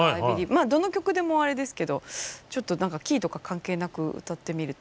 まあどの曲でもあれですけどちょっとキーとか関係なく歌ってみると。